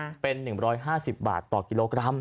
เป็น๑๕๐บาทต่อกิโลกรัม